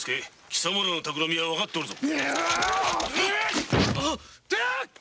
貴様らのたくらみは分かっておるぞ。